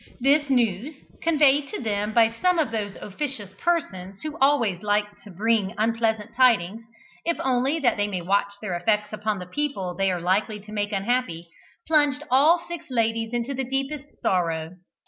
This news, conveyed to them by some of those officious persons who always like to bring unpleasant tidings, if only that they may watch their effects upon the people they are likely to make unhappy, plunged all six ladies into the deepest sorrow.